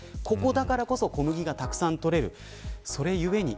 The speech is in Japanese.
ここだからこそ小麦がたくさん取れます。